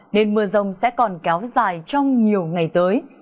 nên mưa rông sẽ còn kéo dài trong nhiều ngày tới